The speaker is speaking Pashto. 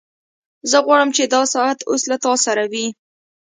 زه غواړم چې دا ساعت اوس له تا سره وي